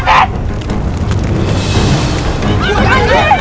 ya pak makasih ya pak